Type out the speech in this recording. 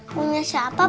punya siapa pak rt